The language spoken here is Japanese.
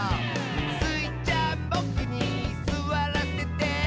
「スイちゃんボクにすわらせて？」